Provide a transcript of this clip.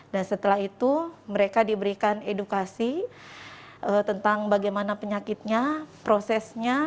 dan setelah itu mereka diberikan edukasi tentang bagaimana penyakitnya prosesnya